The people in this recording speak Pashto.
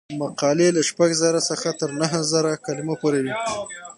مقالې له شپږ زره څخه تر نهه زره کلمو پورې وي.